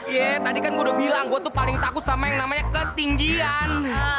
iya tadi kan gua udah bilang gua tuh paling takut sama yang namanya ketinggian